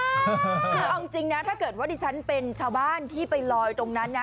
คือเอาจริงนะถ้าเกิดว่าดิฉันเป็นชาวบ้านที่ไปลอยตรงนั้นนะ